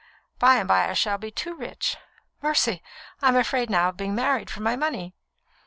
By and by I shall be too rich. Mercy! I'm afraid now of being married for my money."